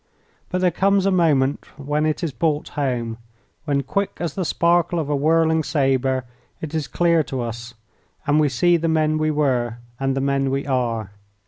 But there comes a moment when it is brought home, when quick as the sparkle of a whirling sabre it is clear to us, and we see the men we were and the men we are.